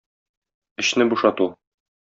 Эчне бушату.